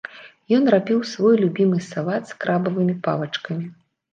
Ён рабіў свой любімы салат з крабавымі палачкамі.